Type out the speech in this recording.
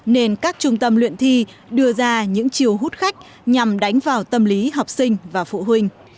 nên các trung tâm luyện thi đưa ra những chiều hút khách nhằm đánh vào tâm lý học sinh và phụ huynh